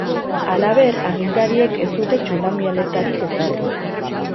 Halaber, agintariek ez dute tsunami alertarik ezarri.